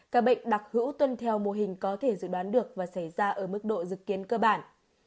các bệnh đặc hữu tuân theo mô hình có thể dự đoán được và xảy ra ở mức độ dự kiến cơ bản